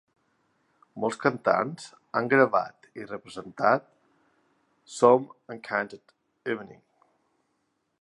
Molts cantants han gravat i representat "Some Enchanted Evening".